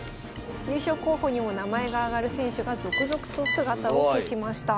優勝候補にも名前が挙がる選手が続々と姿を消しました。